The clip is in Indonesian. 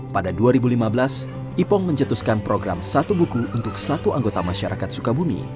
pada dua ribu lima belas ipong mencetuskan program satu buku untuk satu anggota masyarakat sukabumi